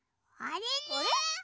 あれ？